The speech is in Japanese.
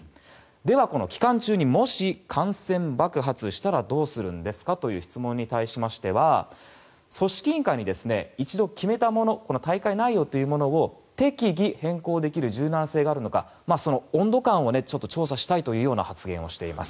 では、この期間中にもし感染爆発したらどうするんですかという質問に対しましては組織委員会に一度決めたもの大会内容というものを適宜変更できる柔軟性があるのかその温度感を調査したいという発言をしています。